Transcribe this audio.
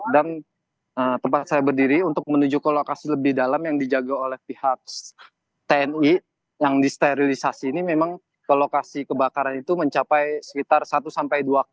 dan tempat saya berdiri untuk menuju ke lokasi lebih dalam yang dijaga oleh pihak tni yang disterilisasi ini memang lokasi kebakaran itu mencapai sekitar satu dua km